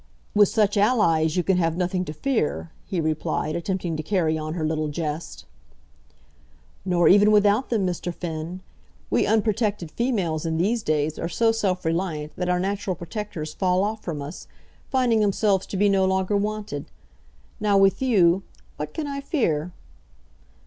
"With such allies you can have nothing to fear," he replied, attempting to carry on her little jest. "Nor even without them, Mr. Finn. We unprotected females in these days are so self reliant that our natural protectors fall off from us, finding themselves to be no longer wanted. Now with you, what can I fear?"